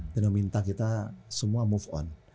dan meminta kita semua move on